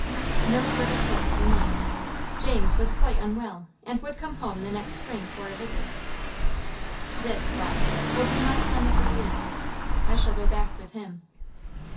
No word of hope for Nig. James was quite unwell, and would come home the next spring for a visit. This, thought Nig, will be my time of release. I shall go back with him.